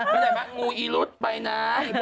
ไม่ได้มางูอีรุตไปนะ